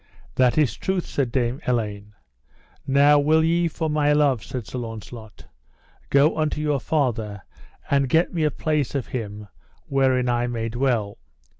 That is truth, said Dame Elaine. Now will ye for my love, said Sir Launcelot, go unto your father and get me a place of him wherein I may dwell?